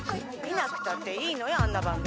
☎見なくたっていいのよあんな番組。